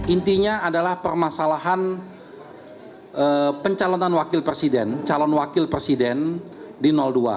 intinya adalah permasalahan pencalonan wakil presiden calon wakil presiden di dua